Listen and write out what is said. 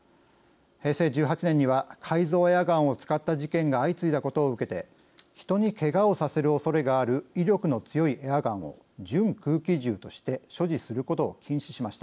平成１８年には改造エアガンを使った事件が相次いだことを受けて人にけがをさせるおそれがある威力の強いエアガンを準空気銃として所持することを禁止しました。